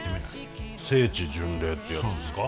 聖地巡礼ってやつですか？